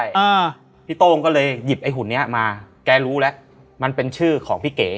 อ่าพี่โต้งก็เลยหยิบไอ้หุ่นเนี้ยมาแกรู้แล้วมันเป็นชื่อของพี่เก๋